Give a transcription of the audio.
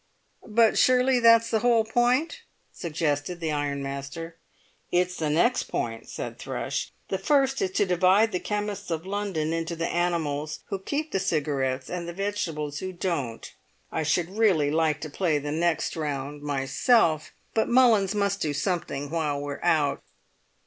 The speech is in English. "But surely that's the whole point?" suggested the ironmaster. "It's the next point," said Thrush. "The first is to divide the chemists of London into the Animals who keep the cigarettes and the Vegetables who don't. I should really like to play the next round myself, but Mullins must do something while we're out."